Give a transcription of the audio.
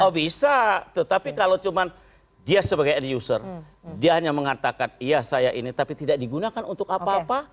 oh bisa tetapi kalau cuma dia sebagai end user dia hanya mengatakan iya saya ini tapi tidak digunakan untuk apa apa